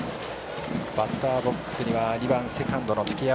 バッターボックスには２番、セカンドの月山。